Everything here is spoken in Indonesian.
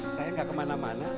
saya gak kemana mana